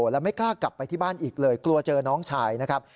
แล้วไม่กล้ากลับไปที่บ้านอีกเลยกลัวเจอน้องชายนะครับ